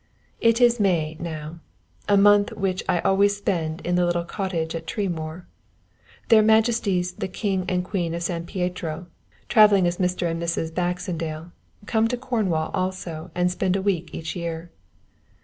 It is May now, a month which I always spend in the little cottage at Tremoor. Their Majesties the King and Queen of San Pietro, travelling as Mr. and Mrs. Baxendale, come to Cornwall also and spend a week each year.